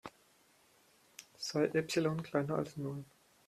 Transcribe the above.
Sei Epsilon kleiner als Null.